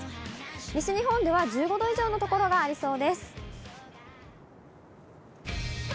西日本では１５度以上の所がありそうです。